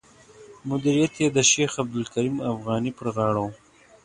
مدیریت یې د شیخ عبدالکریم افغاني پر غاړه و.